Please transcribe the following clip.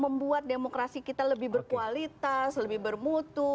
membuat demokrasi kita lebih berkualitas lebih bermutu